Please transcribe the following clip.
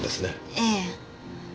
ええ。